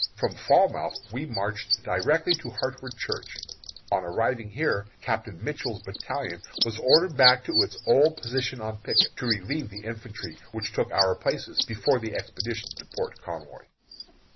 From Falmouth we marched directly to Hartwood Church. On arriving here, Captain Mitchell's battalion was ordered back to its old position on picket, to relieve the infantry which took our places before the expedition to Port Conway.